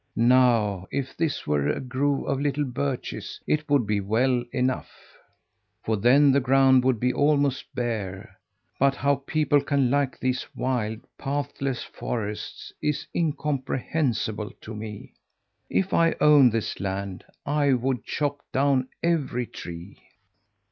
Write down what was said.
Now, if this were a grove of little birches, it would be well enough, for then the ground would be almost bare; but how people can like these wild, pathless forests is incomprehensible to me. If I owned this land I would chop down every tree."